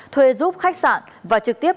thuê giúp khách sạn và trực tiếp